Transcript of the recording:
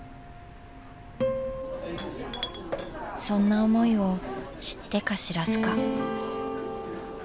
そんな思いを知ってか知らずか。